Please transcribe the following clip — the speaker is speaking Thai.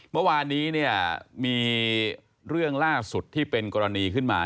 เมื่อวานนี้เนี่ยมีเรื่องล่าสุดที่เป็นกรณีขึ้นมา